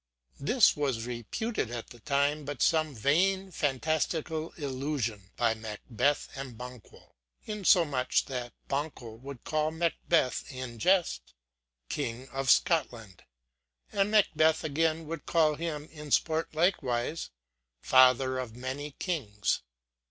This was reputed at the first but some vain fantastical illusion by Makbeth and Banquho, insomuch that Banquho would call Makbeth in jest, King of Scotland; and Makbeth again would call him in sport likewise, father of many kings.